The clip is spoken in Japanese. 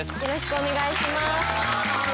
お願いします。